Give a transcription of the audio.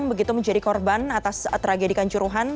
kira kira begitu menjadi korban atas tragedi kanjuruhan